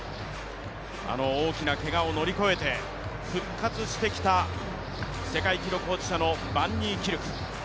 あの大きなけがを乗り越えて復活してきた世界記録保持者のバンニーキルク。